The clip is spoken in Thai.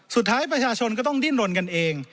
สุดท้ายประชาชนก็ต้องดิ้นรนกันเอง